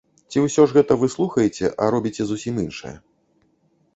Ці ўсё ж гэта вы слухаеце, а робіце зусім іншае.